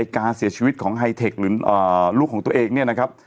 การเสียชีวิตของไฮเทคหรือลูกของตัวเองเนี่ยนะครับ